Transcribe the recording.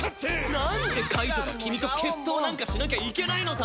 なんで介人が君と決闘なんかしなきゃいけないのさ！